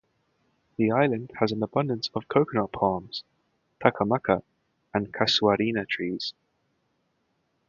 The island has an abundance of coconut palms, "Takamaka" and "Casuarina" trees.